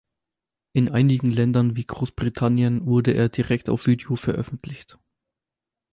In einigen Ländern wie Großbritannien wurde er direkt auf Video veröffentlicht.